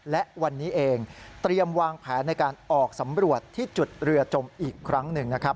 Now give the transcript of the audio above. และวันนี้เองเตรียมวางแผนในการออกสำรวจที่จุดเรือจมอีกครั้งหนึ่งนะครับ